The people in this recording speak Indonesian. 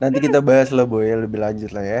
nanti kita bahas lho boy lebih lanjut lah ya